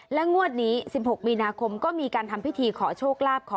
งวดนี้๑๖มีนาคมก็มีการทำพิธีขอโชคลาภ